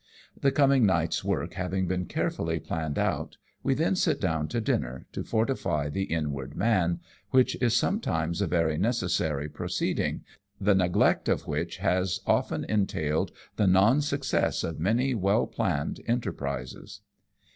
The coming night's work having been carefull}' planned out, we then sit down to dinner to fortify the inward man, which is sometimes a very necessary pro ceeding, the neglect of which has often entailed the non success of many well planned enterprises.